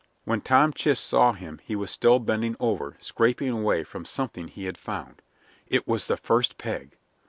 When Tom Chist saw him he was still bending over, scraping away from something he had found. It was the first peg!